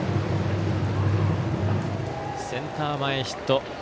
センター前ヒット。